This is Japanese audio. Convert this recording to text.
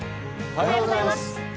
おはようございます。